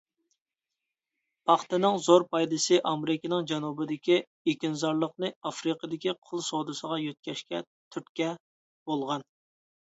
پاختىنىڭ زور پايدىسى ئامېرىكىنىڭ جەنۇبىدىكى ئېكىنزارلىقنى ئافرىقىدىكى قۇل سودىسىغا يۆتكەشكە تۈرتكە بولغان.